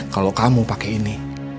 kalau kamu pakai ini